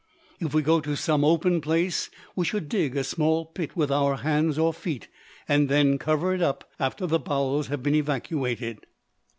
If we go to some open place, we should dig a small pit with our hands or feet, and then cover it up, after the bowels have been evacuated.